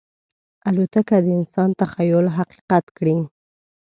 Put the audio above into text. الوتکه د انسان تخیل حقیقت کړی.